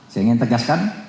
saya ingin tegaskan